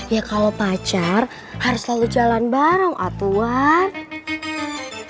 ya kalau pacar harus selalu jalan bareng atuan